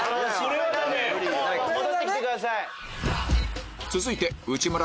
戻ってきてください。